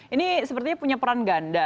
ini sepertinya punya peran ganda